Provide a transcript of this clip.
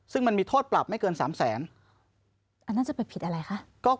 ซึ่งมันมีโทษปรับไม่เกิน๓แสนอันนั้นจะไปผิดอะไรคะ